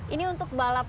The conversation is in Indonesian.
ini untuk balap